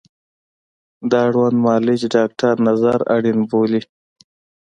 د اړوند معالج ډاکتر نظر اړین بولي